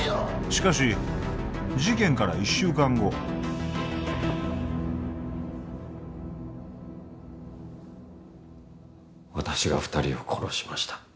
しかし事件から一週間後私が二人を殺しました